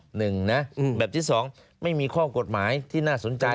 หนึ่งนะแบบที่สองไม่มีข้อกฎหมายที่น่าสนใจ